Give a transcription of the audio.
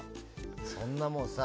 そんなもんさ